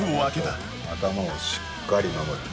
頭をしっかり守る。